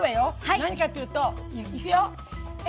何かっていうと、いくよ。